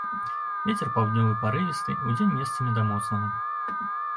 Вецер паўднёвы парывісты, удзень месцамі да моцнага.